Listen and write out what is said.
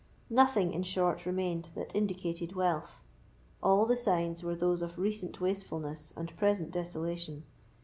Nothing, in short, remained that indicated wealth; all the signs were those of recent wastefulness and present desolation.